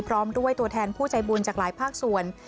พร้อมด้วยตัวแทนผู้ใจบุญจากหลายภาคส่วน